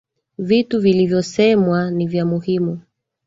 Vitu vilivyosemwa ni vya muhimu